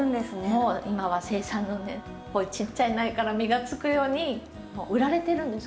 もう今はこういうちっちゃい苗から実がつくようにもう売られてるんですこういう状態で。